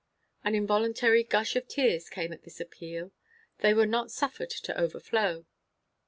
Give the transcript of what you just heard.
An involuntary gush of tears came at this appeal; they were not suffered to overflow.